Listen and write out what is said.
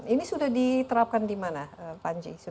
ini sudah diterapkan di mana panji